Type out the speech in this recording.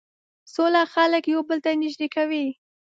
سوله خلک یو بل ته نژدې کوي.